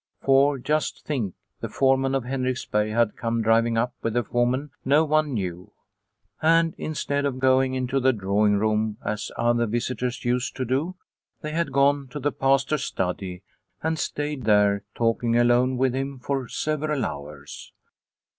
For just think, the fore man of Henriksberg had come driving up with a woman no one knew, and instead of going into the drawing room as other visitors used to do, they had gone to the Pastor's study and stayed there talking alone with him for several hours.